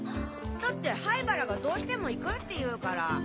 だって灰原がどうしても行くって言うから。